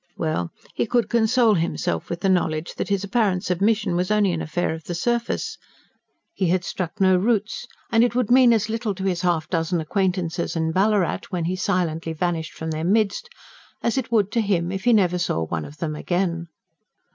Well, he could console himself with the knowledge that his apparent submission was only an affair of the surface. He had struck no roots; and it would mean as little to his half dozen acquaintances on Ballarat when he silently vanished from their midst, as it would to him if he never saw one of them again.